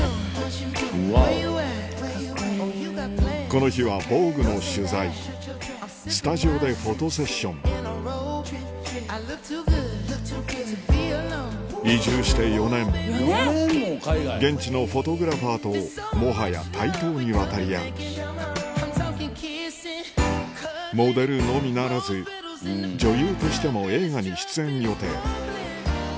この日は『ＶＯＧＵＥ』の取材スタジオでフォトセッション移住して４年現地のフォトグラファーともはや対等に渡り合うモデルのみならず女優としても映画に出演予定